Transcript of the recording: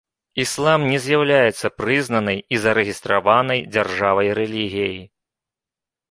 Іслам не з'яўляецца прызнанай і зарэгістраванай дзяржавай рэлігіяй.